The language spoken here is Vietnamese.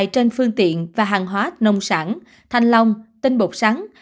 trên phương tiện và hàng hóa nông sản thanh long tinh bột sắn